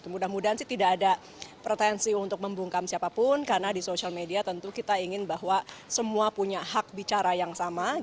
mudah mudahan sih tidak ada pretensi untuk membungkam siapapun karena di sosial media tentu kita ingin bahwa semua punya hak bicara yang sama